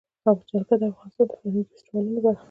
جلګه د افغانستان د فرهنګي فستیوالونو برخه ده.